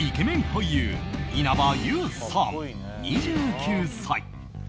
俳優稲葉友さん、２９歳。